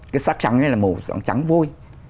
cái sắc trắng này là màu sống trắng vôi